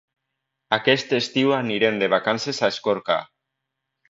Aquest estiu anirem de vacances a Escorca.